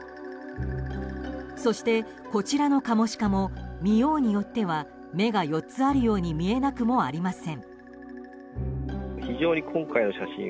そして、こちらのカモシカも見ようによっては目が４つあるように見えなくもありません。